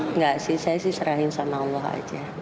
enggak sih saya sih serahin sama allah aja